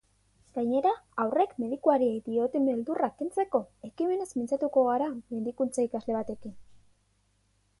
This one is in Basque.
Gainera, haurrek medikuari dioten beldurra kentzeko ekimenaz mintzatuko gara medikuntza ikasle batekin.